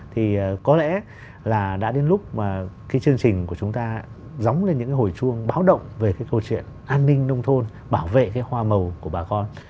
thì có lẽ là đã đến lúc mà cái chương trình của chúng ta dóng lên những cái hồi chuông báo động về cái câu chuyện an ninh nông thôn bảo vệ cái hoa màu của bà con